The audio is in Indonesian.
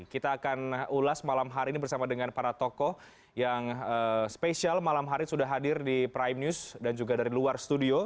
kita akan ulas malam hari ini bersama dengan para tokoh yang spesial malam hari sudah hadir di prime news dan juga dari luar studio